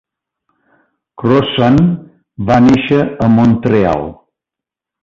Crossan va néixer a Montreal.